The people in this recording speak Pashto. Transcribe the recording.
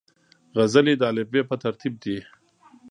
غزلې د الفبې پر ترتیب دي.